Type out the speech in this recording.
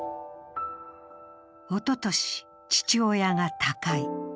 おととし、父親が他界。